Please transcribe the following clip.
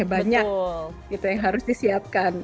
banyak yang harus disiapkan